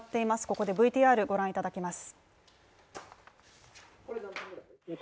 ここでＶＴＲご覧いただきます。